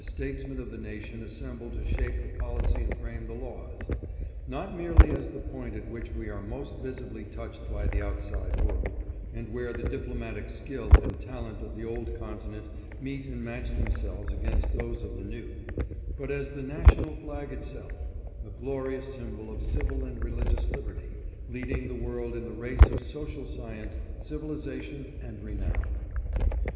statesmen of the nation assemble to shape the policy and frame the laws ; not merely as the point at which we are most visibly touched by the outside world, and where the diplomatic skill and talent of the old continent meet and match themselves against those of the new, but as the national flag itself — a glorious symbol of civil and religious liberty, leading the world in the race of social science, civilization, and renown.'